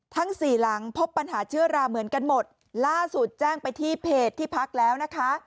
ทั้งสี่หลังพบปัญหาเชื้อราเหมือนกันหมดล่าสุดแจ้งไปที่เพจที่พักแล้วนะคะ